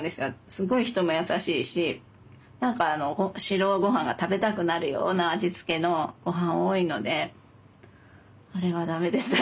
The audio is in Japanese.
すごい人も優しいし何か白ご飯が食べたくなるような味付けのごはん多いのであれは駄目です。